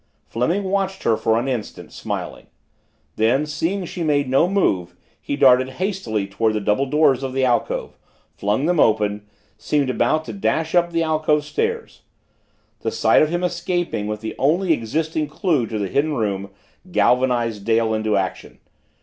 Fleming watched her for an instant, smiling. Then, seeing she made no move, he darted hastily toward the double doors of the alcove, flung them open, seemed about to dash up the alcove stairs. The sight of him escaping with the only existing clue to the hidden room galvanized Dale into action.